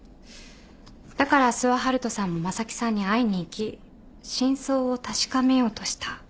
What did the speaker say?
だから諏訪遙人さんも正木さんに会いに行き真相を確かめようとした。